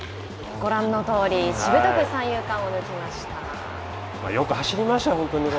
ご覧のとおりしぶとく三遊間を抜きました。